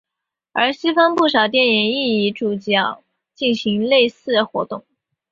而西方不少电影亦以主角进行类似活动。